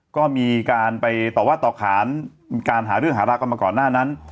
ก็มีการไปต่อว่าต่อขานมีการหาเรื่องหารากันมาก่อนหน้านั้น